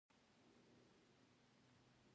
علمد انسان د ژوند ستره خزانه ده.